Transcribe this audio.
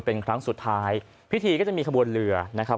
เป็นครั้งสุดท้ายพิธีก็จะมีขบวนเรือนะครับ